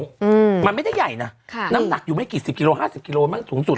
อืมมันไม่ได้ใหญ่นะค่ะน้ำหนักอยู่ไม่กี่สิบกิโลห้าสิบกิโลมันสูงสุด